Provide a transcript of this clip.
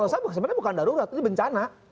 kalau saya berpikir sebenarnya bukan darurat ini bencana